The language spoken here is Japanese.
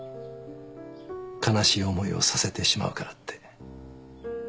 悲しい思いをさせてしまうからって。